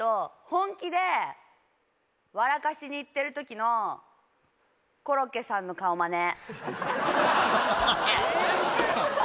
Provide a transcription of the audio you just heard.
本気で笑かしにいってる時のコロッケさんの顔マネ。